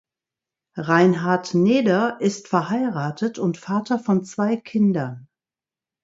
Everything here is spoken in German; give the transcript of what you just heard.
Reinhard Neder ist verheiratet und Vater von zwei Kindern.